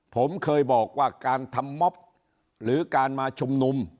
ผมเคยบอกว่าการทำม็อบหรือการมาชุมนุม